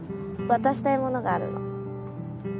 渡したいものがあるの。